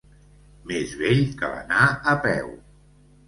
Més vell que l'anar a peu.